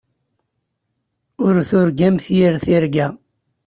Ur turgamt yir tirga.